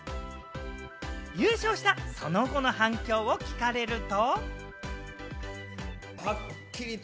優勝したその後の反響を聞かれると。